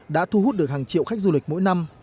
đã thu hút được hàng triệu khách du lịch mỗi năm